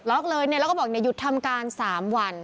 เลยเนี่ยแล้วก็บอกเนี่ยหยุดทำการ๓วัน